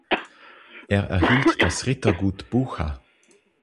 Er erhielt das Rittergut Bucha.